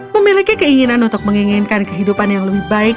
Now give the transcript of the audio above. memiliki keinginan untuk menginginkan kehidupan yang lebih baik